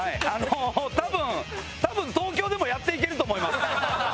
多分多分東京でもやっていけると思います。